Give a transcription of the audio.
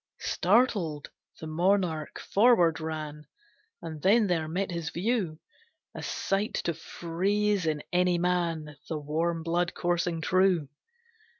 Startled, the monarch forward ran, And then there met his view A sight to freeze in any man The warm blood coursing true.